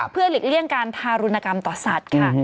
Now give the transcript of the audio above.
เพื่อหลีกเลี่ยงการทารุณกรรมต่อสัตว์ค่ะ